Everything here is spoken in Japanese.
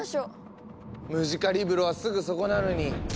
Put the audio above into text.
ムジカリブロはすぐそこなのに。